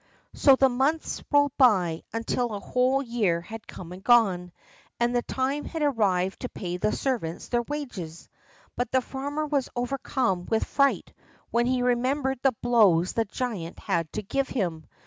So the months rolled by, until a whole year had come and gone, and the time had arrived to pay the servants their wages. But the farmer was overcome with fright when he remembered the blows the giant had to give him.